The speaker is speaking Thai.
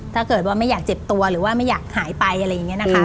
ถ้าเกิดว่าไม่อยากเจ็บตัวหรือว่าไม่อยากหายไปอะไรอย่างนี้นะคะ